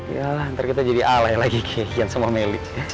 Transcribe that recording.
yalah ntar kita jadi alay lagi kayak ian sama meli